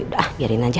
udah ah biarin aja